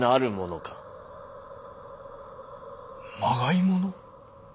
まがいもの？